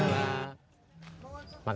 jangan ada perang